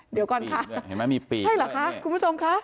เดี๋ยวก่อนค่ะเห็นไหมมีปีกใช่เหรอคะคุณผู้ชมค่ะ